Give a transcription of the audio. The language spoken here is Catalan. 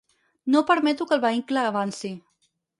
No permeto que el vehicle avanci.